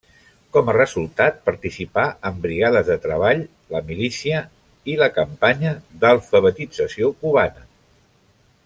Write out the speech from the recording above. Com a resultat, participà en brigades de treball, la milícia, i la Campanya d'Alfabetització cubana.